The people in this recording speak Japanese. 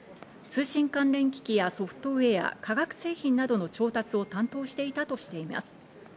通信関連機器やソフトウェア、化学製品などの調達を担当していたとしています。